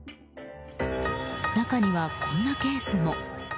中には、こんなケースも。